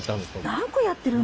何個やってる。